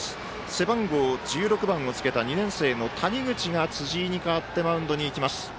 背番号１６番をつけた２年生の谷口が辻井に代わってマウンドに行きます。